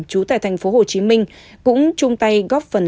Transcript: chú tại tp hcm cũng chung tay góp phần